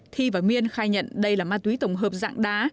thi và miên khai nhận đây là ma túy tổng hợp dạng đá